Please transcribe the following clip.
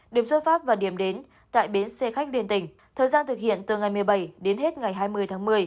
điểm xuất phát và điểm đến tại bến xe khách liên tỉnh thời gian thực hiện từ ngày một mươi bảy đến hết ngày hai mươi tháng một mươi